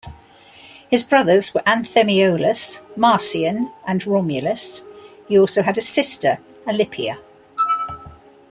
His brothers were Anthemiolus, Marcian and Romulus; he also had a sister, Alypia.